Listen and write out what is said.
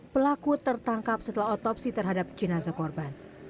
pelaku tertangkap setelah otopsi terhadap jenazah korban